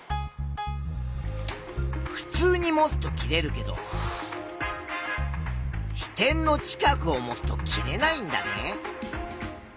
ふつうに持つと切れるけど支点の近くを持つと切れないんだね。